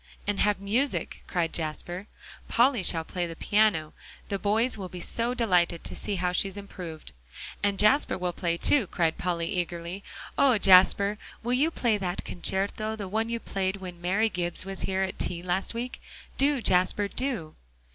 "And have music," cried Jasper. "Polly shall play on the piano. The boys will be so delighted to see how she has improved." "And Jasper will play too," cried Polly eagerly. "Oh, Jasper! will you play that concerto, the one you played when Mary Gibbs was here at tea last week? Do, Jasper, do."